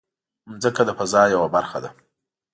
مځکه د فضا یوه برخه ده.